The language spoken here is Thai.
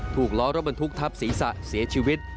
ล้อรถบรรทุกทับศีรษะเสียชีวิต